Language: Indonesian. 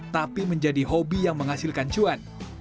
tapi menjadi hobi yang menghasilkan cuan